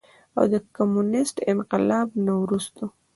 او د کميونسټ انقلاب نه وروستو